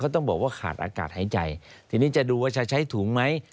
ต้องบอกว่าขาดอากาศหายใจทีนี้จะดูว่าจะใช้ถุงไหม